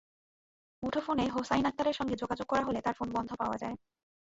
মুঠোফোনে হোছাইন আক্তারের সঙ্গে যোগাযোগ করা হলে তাঁর ফোন বন্ধ পাওয়া যায়।